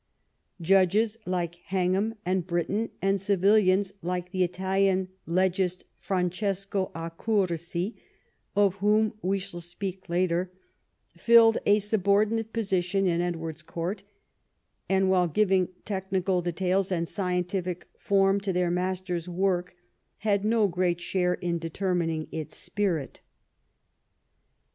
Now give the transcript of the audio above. Judges like Hengham and Britton, and civilians like the Italian legist Francesco Accursi — of whom we shall speak later — filled a sub ordinate position in Edward's court, and while giving technical details and scientific form to their master's work, had no great share in determining its spirit.